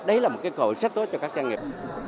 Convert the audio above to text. đấy là một cơ hội rất tốt cho các doanh nghiệp